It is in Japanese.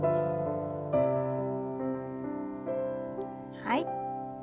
はい。